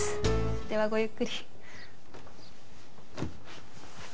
ではごゆっくり。